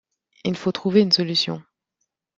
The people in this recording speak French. Il faut trouver une solution.